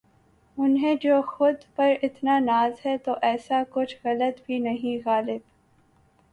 انہیں جو خود پر اتنا ناز ہے تو ایسا کچھ غلط بھی نہیں غالب